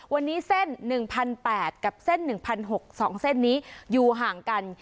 วันนี้เส้น๑๘๐๐กับเส้น๑๖๐๐๒เส้นนี้อยู่ห่างกัน